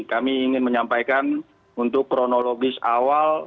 kami ingin menyampaikan untuk kronologis awal